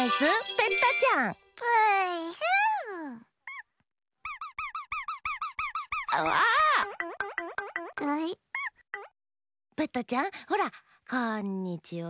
ペッタちゃんほらこんにちはダァー！